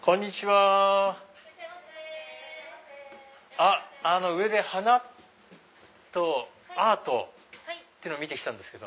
あの上で花とアートってのを見て来たんですけど。